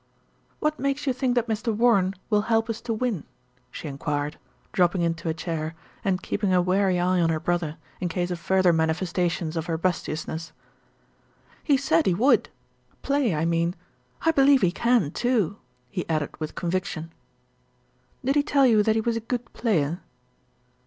"What makes you think that Mr. Warren will help us to win?" she enquired, dropping into a chair, and keeping a wary eye on her brother, in case of further manifestations of robustiousness. "He said he would play, I mean. I believe he can, too," he added with conviction. "Did he tell you that he was a good player?"